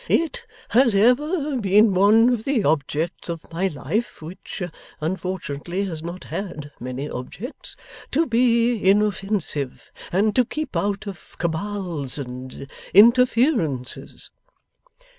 It has ever been one of the objects of my life which, unfortunately, has not had many objects to be inoffensive, and to keep out of cabals and interferences.